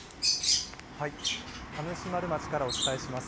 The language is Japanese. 田主丸町からお伝えします。